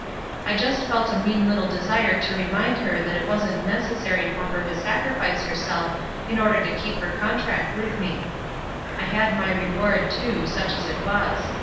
I jtist felt a mean little desire to remind her that it wasn't THE VICTORS 79 necessary for her to sacrifice herself in order to keep her contract with me. I had my reward, too, such as it was.